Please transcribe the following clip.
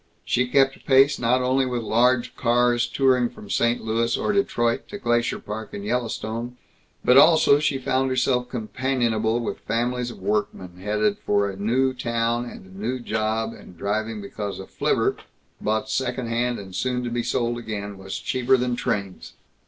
She kept pace not only with large cars touring from St. Louis or Detroit to Glacier Park and Yellowstone, but also she found herself companionable with families of workmen, headed for a new town and a new job, and driving because a flivver, bought second hand and soon to be sold again, was cheaper than trains.